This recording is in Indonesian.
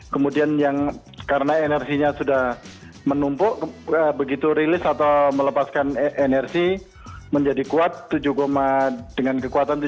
kemudian yang karena energinya sudah menumpuk begitu rilis atau melepaskan energi menjadi kuat tujuh dengan kekuatan tujuh